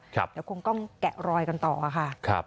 เดี๋ยวคงต้องแกะรอยกันต่อค่ะ